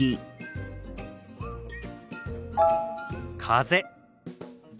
風。